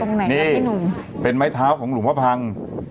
ตรงไหนนี่พี่หนุ่มเป็นไม้เท้าของหลวงพ่อพัง